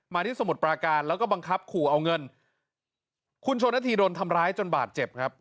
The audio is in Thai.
ที่สมุทรปราการแล้วก็บังคับขู่เอาเงินคุณชนนาธีโดนทำร้ายจนบาดเจ็บครับ